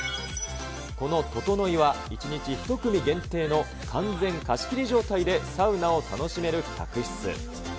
このトトノイは、１日１組限定の完全貸し切り状態でサウナを楽しめる客室。